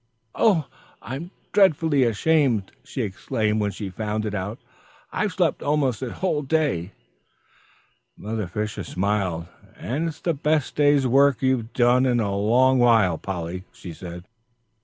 "Oh, I'm dreadfully ashamed!" she exclaimed when she found it out. "I've slept almost this whole day!" Mother Fisher smiled, "And it's the best day's work you've done in one long while, Polly," she said.